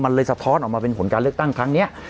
มันเลยสะท้อนออกมาเป็นผลการเลือกตั้งครั้งนี้